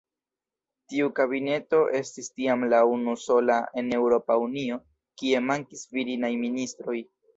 Tiu kabineto estis tiam la unusola en Eŭropa Unio, kie mankis virinaj ministroj.